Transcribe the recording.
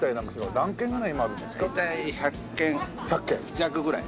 大体１００軒弱ぐらい。